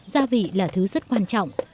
gia vị là thứ rất quan trọng